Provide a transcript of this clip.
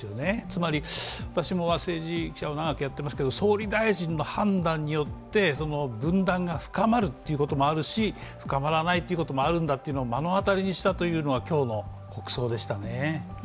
つまり、私も政治記者を長くやってますけど総理大臣の判断によって分断が深まるということもあるし、深まらないということもあるんだというのを目の当たりにしたというのが今日の国葬でしたね。